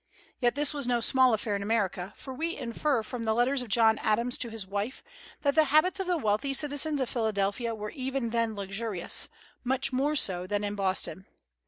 Yet this was no small affair in America, for we infer from the letters of John Adams to his wife that the habits of the wealthy citizens of Philadelphia were even then luxurious, much more so than in Boston.